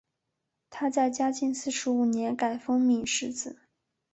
他在嘉靖四十五年改封岷世子。